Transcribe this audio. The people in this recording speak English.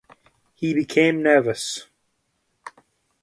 He became nervous.